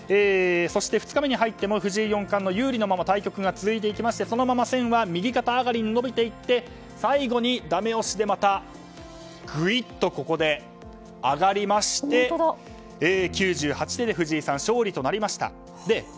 そして２日目に入っても藤井四冠の有利のまま対局が続いていきましてそのまま線は右肩上がりに伸びていって最後に、だめ押しでまたグイッと上がりまして９８手で藤井さん勝利となりました。